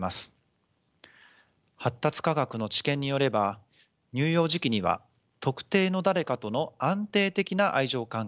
発達科学の知見によれば乳幼児期には特定の誰かとの安定的な愛情関係